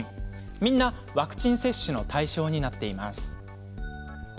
みんな、ワクチン接種の対象になっています。